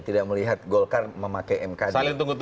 tidak melihat golkar memakai mkd